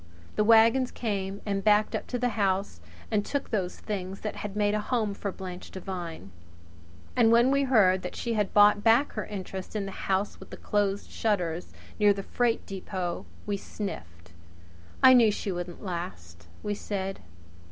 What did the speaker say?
The wagons came and backed up to the house and took those things that had made a home for Blanche Devine. And when we heard that she had bought back her interest in the House With the Closed Shutters, near the freight depot, we sniffed. "I knew she wouldn't last!" we said.